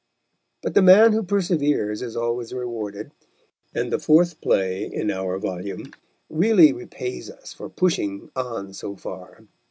But the man who perseveres is always rewarded, and the fourth play in our volume really repays us for pushing on so far.